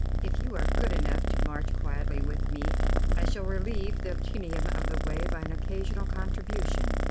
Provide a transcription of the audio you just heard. If you are good enough to march quietly with me, I shall relieve the tedium of the way by an occasional contribution.